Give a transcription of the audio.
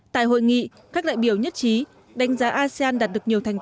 tại hội nghị các đại biểu nhất trí đánh giá asean đạt được nhiều thông tin